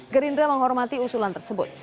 gerindra menghormati usulan tersebut